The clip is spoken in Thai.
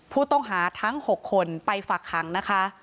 ผู้ต้องหาทั้ง๖คนไปฝากขังนะคะ